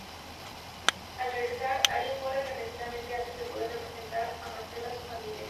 Al regresar, Ariel muere repentinamente antes de poder presentar a Marcela a su familia.